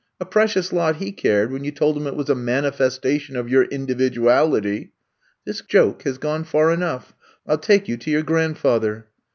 A precious lot he cared when you told him it was a mani festation of your individuality ! This joke has gone far enough. I '11 take you to your grandfather."